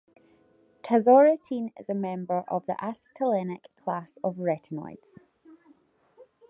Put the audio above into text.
Tazarotene is a member of the acetylenic class of retinoids.